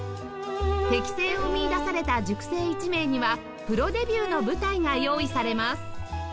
適性を見いだされた塾生１名にはプロデビューの舞台が用意されます